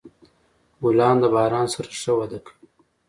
ګلان د باران سره ښه وده کوي.